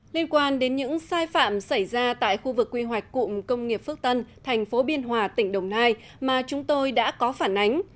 liên quan đến những sai phạm xảy ra tại khu vực quy hoạch cụm công nghiệp phước tân thành phố biên hòa tỉnh đồng nai mà chúng tôi đã có phản ánh